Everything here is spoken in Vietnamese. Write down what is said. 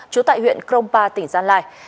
chú tại huyện crompa tỉnh gia lai